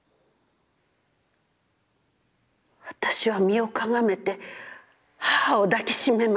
私は身をかがめて母を抱きしめました。